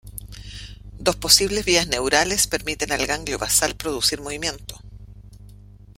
Dos posibles vías neurales permiten al ganglio basal producir movimiento.